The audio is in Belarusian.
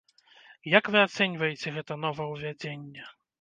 Як вы ацэньваеце гэта новаўвядзенне?